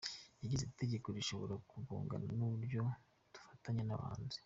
Yagize ati “Itegeko rishobora kugongana n’uburyo dufatanya n’abahanzi.